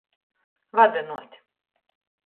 Vadynuot.